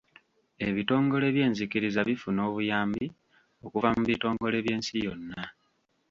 Ebitongole byenzikiriza bifuna obuyambi okuva mu bitongole by'ensi yonna.